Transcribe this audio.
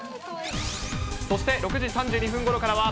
そして６時３２分ごろからは、